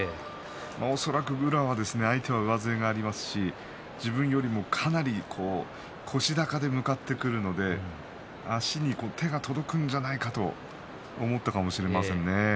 恐らく宇良は相手は上背がありますし自分よりもかなり腰高で向かってくるのでまわしに手が届くんじゃないかと思ったかもしれませんね。